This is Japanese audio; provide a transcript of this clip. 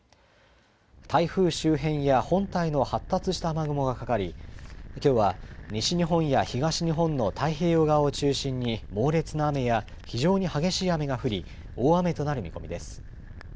台風周辺や本体の発達した雨雲がかかり、きょうは、西日本や東日本の太平洋側を中心に猛烈な雨や非常に激しい雨が降り、大雨となる見込みです。